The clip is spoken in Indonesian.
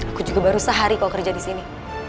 aku juga baru sehari kalau kerja di sini